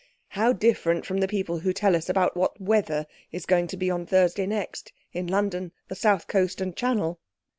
How different from the people who tell us about what weather it is going to be on Thursday next, in London, the South Coast, and Channel!